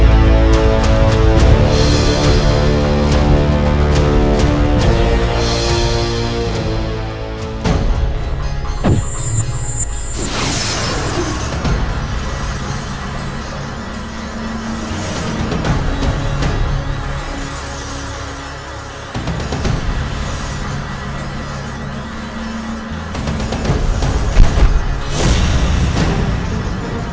aku akan mencari kekuatanmu